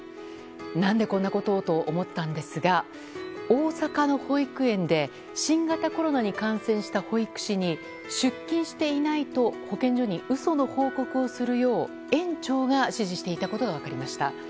何でこんなことをと思ったんですが大阪の保育園で新型コロナに感染した保育士に出勤していないと保健所に嘘の報告をするよう園長が指示していたことが分かりました。